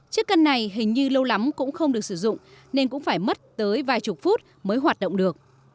chiếc cân này hình như lâu lắm cũng không được sử dụng nên cũng phải mất tới vài chục phút mới hoạt động được